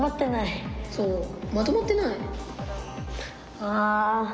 ああ。